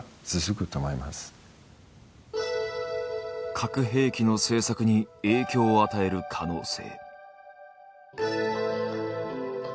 核兵器の政策に影響を与える可能性。